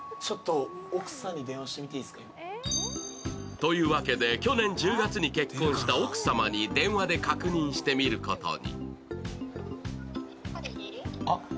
というわけで去年１０月に結婚した奥様に電話で確認してみることに。